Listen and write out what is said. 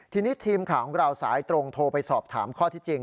ทีนี้ทีมข่าวของเราสายตรงโทรไปสอบถามข้อที่จริง